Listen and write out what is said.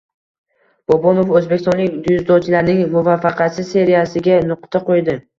Bobonov o‘zbekistonlik dzyudochilarning muvaffaqiyatsiz seriyasiga nuqta qo‘ydi